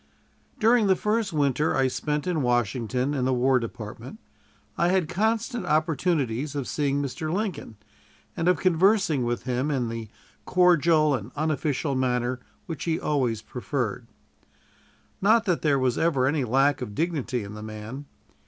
During the first winter I spent in Washington in the War Department I had constant opportunities of seeing Mr. Lincoln, and of conversing with him in the cordial and unofficial manner which he always preferred. Not that there was ever any lack of dignity in the man.